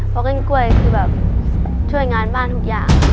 เพราะต้นกล้วยคือแบบช่วยงานบ้านทุกอย่าง